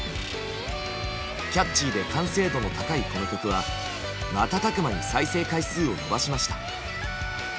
キャッチーで完成度の高いこの曲は瞬く間に再生回数を伸ばしました。